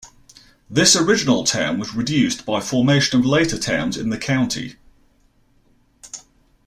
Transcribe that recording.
This original town was reduced by formation of later towns in the county.